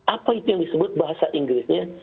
apa itu yang disebut bahasa inggrisnya